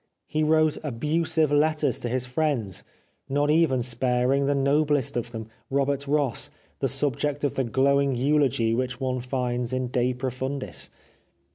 He wrote abusive letters to his friends, not even sparing the noblest of them, Robert Ross, the subject of the glowing eulogy which one finds in " De Profundis."